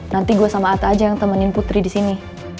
nanti gue sama ata aja yang temenin putri disini